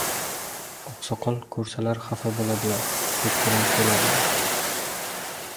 Oqsoqol ko‘rsalar xafa bo‘ladilar. Kechqurun kelarman.